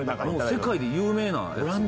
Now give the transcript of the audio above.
もう世界で有名な。